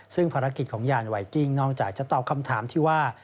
ซึ่งภารกิจของยานไวกิ้งนอกจากจะตอบคำถามที่ว่า